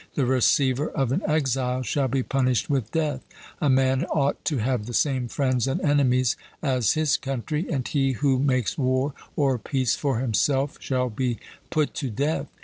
The receiver of an exile shall be punished with death. A man ought to have the same friends and enemies as his country; and he who makes war or peace for himself shall be put to death.